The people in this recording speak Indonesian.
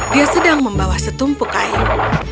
dia sedang membawa setumpuk air